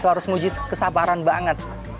itu harus menguji kesabaran banget